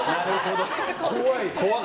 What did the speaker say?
怖い。